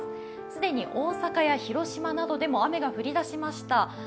既に大阪や広島などでも雨が降り出しました。